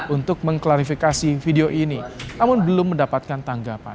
untuk mengklarifikasi video ini namun belum mendapatkan tanggapan